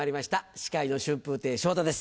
司会の春風亭昇太です